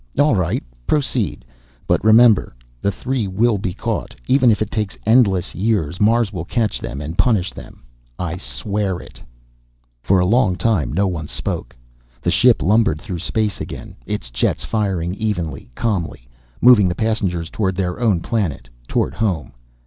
All right, proceed! But remember: the three will be caught, even if it takes endless years. Mars will catch them and punish them! I swear it!" For a long time no one spoke. The ship lumbered through space again, its jets firing evenly, calmly, moving the passengers toward their own planet, toward home.